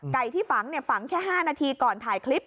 ที่ฝังฝังแค่๕นาทีก่อนถ่ายคลิป